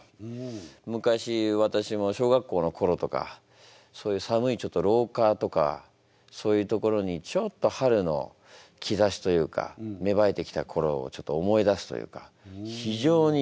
昔私も小学校の頃とかそういう寒い廊下とかそういう所にちょっと春の兆しというか芽生えてきた頃をちょっと思い出すというか。